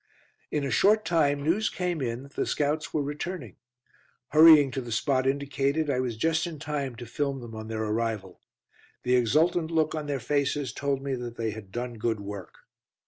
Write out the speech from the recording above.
In a short time news came in that the scouts were returning. Hurrying to the spot indicated, I was just in time to film them on their arrival. The exultant look on their faces told me that they had done good work.